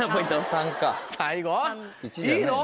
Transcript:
いいの？